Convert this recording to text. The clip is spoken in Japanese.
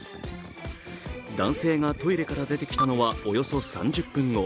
男性がトイレから出てきたのはおよそ３０分後。